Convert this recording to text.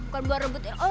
bukan buat rebutin